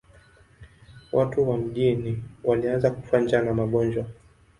Watu wa mjini walianza kufa njaa na magonjwa.